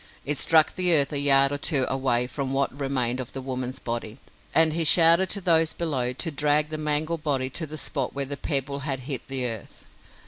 It struck the earth a yard or two away from what remained of the woman's body and he shouted to those below to drag the mangled body to the spot where the pebble had hit the earth.